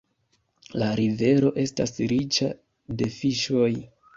La rivero estas riĉa de fiŝoj.